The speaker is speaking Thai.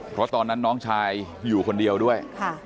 เพราะตอนนั้นน้องชายอยู่คนเดียวด้วย